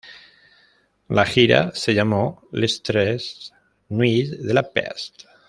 La gira se llamó ""Les treize nuits de la peste"".